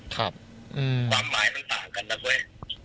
ความหมายมันต่างกันนะเว้ย